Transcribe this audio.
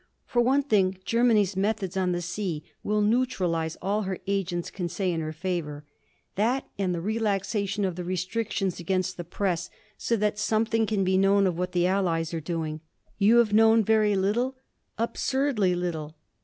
For one thing, Germany's methods on the sea will neutralise all her agents can say in her favour that and the relaxation of the restrictions against the press, so that something can be known of what the Allies are doing." "You have known very little?" "Absurdly little."